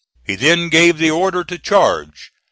He then gave the order to charge.